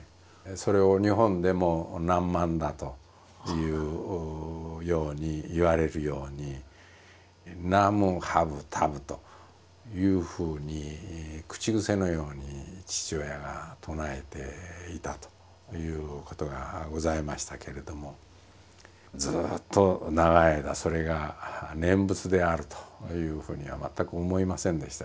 それを日本でも「ナンマンダ」というように言われるように「ナムハブタブ」というふうに口癖のように父親が唱えていたということがございましたけれどもずっと長い間それが念仏であるというふうには全く思いませんでしたですね。